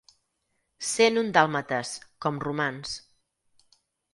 Cent un dàlmates, com romans.